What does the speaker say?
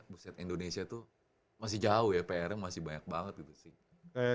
pusat indonesia itu masih jauh ya pr nya masih banyak banget gitu sih